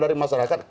jadi saya mencoba